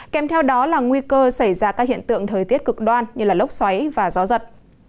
kèm theo đó là nguy cơ xảy ra các hiện tượng thời tiết cực đoan như lốc xoáy và gió giật